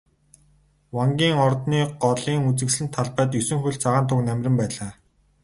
Вангийн ордны голын үзэсгэлэнт талбайд есөн хөлт цагаан туг намиран байлаа.